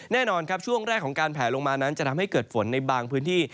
แน่นอนครับช่วงแรกของการแผลลงมานั้นจะทำให้เกิดฝนในบางพื้นที่